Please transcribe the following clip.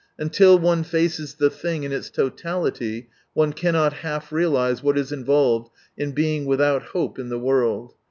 Until one faces the thing in its totality, one cannot half realize what is involved in being " without hope in the world."